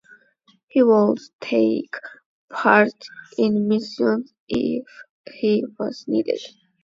He would take part in missions if he was needed.